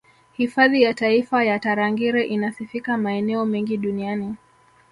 Hifadhi ya taifa ya Tarangire inasifika maeneo mengi Duniani